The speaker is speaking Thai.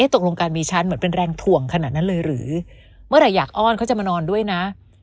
ตกลงการมีฉันเหมือนเป็นแรงถ่วงขนาดนั้นเลยหรือเมื่อไหร่อยากอ้อนเขาจะมานอนด้วยนะ